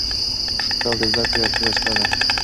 کتاب د زده کړې اصلي وسیله ده.